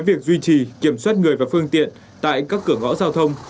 việc duy trì kiểm soát người và phương tiện tại các cửa ngõ giao thông